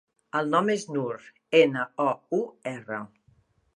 El nom és Nour: ena, o, u, erra.